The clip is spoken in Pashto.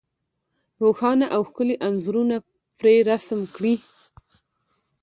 روښانه او ښکلي انځورونه پرې رسم کړي.